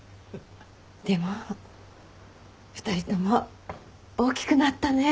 でも２人とも大きくなったね。